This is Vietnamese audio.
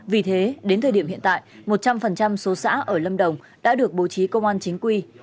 vì thế đến thời điểm hiện tại một trăm linh số xã ở lâm đồng đã được bố trí công an chính quy